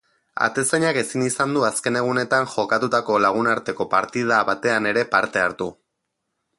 Atezainak ezin izan du azken egunetan jokatutako lagunarteko partida batean ere parte hartu.